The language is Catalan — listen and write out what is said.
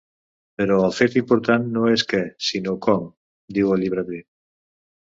Però el fet important no és el què, sinó com –diu el llibreter–.